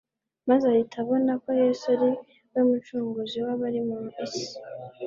maze ahita abona ko Yesu ari we Mucunguzi w'abari mu isi.